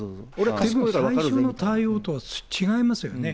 最初の対応とは違いますよね。